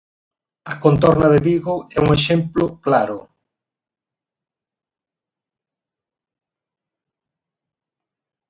A contorna de Vigo é un exemplo claro.